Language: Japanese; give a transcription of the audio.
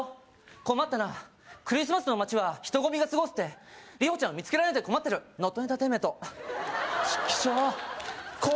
困ったなクリスマスの街は人混みがすごくてリホちゃんを見つけられないで困ってるノットエンターテイメントチキショー